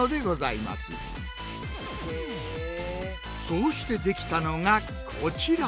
そうして出来たのがこちら。